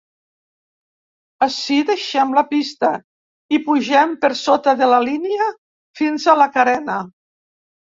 Ací deixem la pista i pugem per sota de la línia fins a la carena.